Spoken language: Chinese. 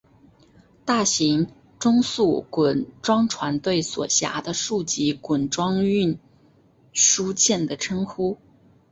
大型中速滚装船对所辖的数级滚装运输舰的称呼。